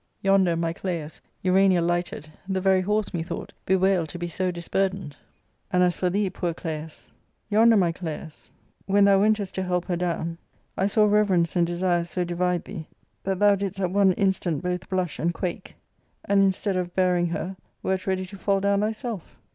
Yonder, my Claius, Jiaoict lifjUted ^ the very horse methought bewailed to be 50 k I': curdeiied ; and as for thee, poor Claius, when thou \ ARCADIA.— Book L 3 wentest to help her down, I saw reverence and desire so( divide thee that thou didst at one instant both blush and \ quake, and instead of bearing her wert ready to fall down j thyself.